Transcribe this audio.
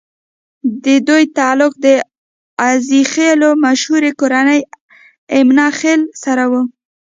ددوي تعلق د عزيخېلو مشهورې کورنۍ اِمنه خېل سره وو